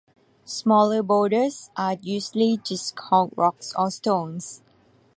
Smaller boulders are usually just called rocks or stones.